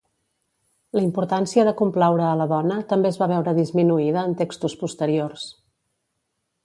La importància de complaure a la dona també es va veure disminuïda en textos posteriors.